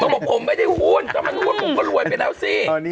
บอกผมไม่ได้หุ้นถ้ามันหุ้นผมก็รวยไปแล้วสิ